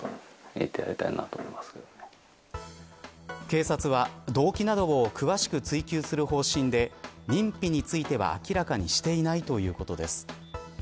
警察は動機などを詳しく追及する方針で認否については明らかにしていないということです。